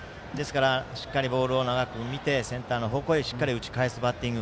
しっかりボールを長く見てセンターの方向へしっかり打ち返すバッティング。